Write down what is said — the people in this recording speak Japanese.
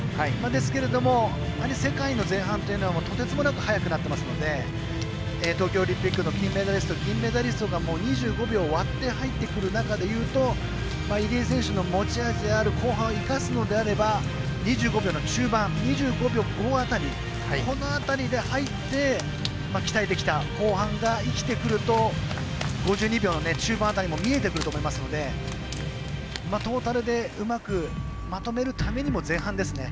ですけれども世界の前半というのはとてつもなく速くなっていますので東京オリンピックの金メダリスト、銀メダリストが２５秒を割って入ってくる状況の中でいうと入江選手の持ち味である後半を生かすのであれば２５秒の中盤２５秒５辺りこの辺りで入って鍛えてきた後半が生きてくると５２秒の中盤辺りも見えてくると思うのでトータルでうまくまとめるためにも前半ですね